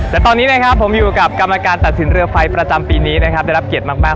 แต่ตอนนี้นะครับผมอยู่กับกรรมการตัดสินเรือไฟประจำปีนี้นะครับได้รับเกียรติมาก